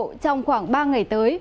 trong khoảng ba ngày tới